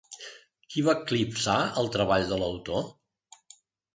Qui va eclipsar el treball de l'autor?